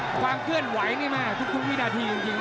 แม่งตี